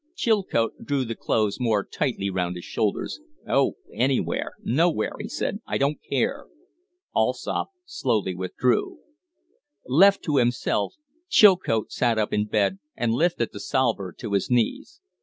Chilcote drew the clothes more tightly round his shoulders. "Oh, anywhere nowhere!" he said. "I don't care." Allsopp softly withdrew. Left to himself, Chilcote sat up in bed and lifted the salver to his knees.